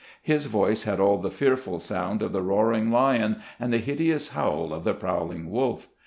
His voice had all the fearful sound of the roaring lion, and the hideous howl of the prowling wolf.